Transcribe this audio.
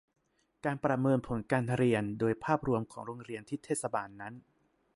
การประเมินผลการเรียนโดยภาพรวมของโรงเรียนที่เทศบาลนั้น